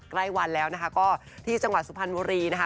ใกล้วันแล้วนะคะก็ที่จังหวัดสุพรรณบุรีนะคะ